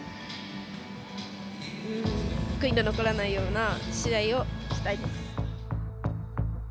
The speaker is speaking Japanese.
悔いの残らないような試合をしたいです。